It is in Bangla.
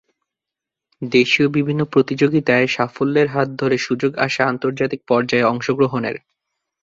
দেশীয় বিভিন্ন প্রতিযোগিতায় সাফল্যের হাত ধরে সুযোগ আসে আন্তর্জাতিক পর্যায়ে অংশগ্রহণের।